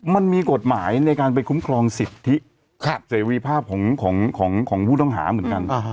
มันมีกฎหมายในการไปคุ้มครองสิทธิเสรีภาพของผู้ต้องหาเหมือนกัน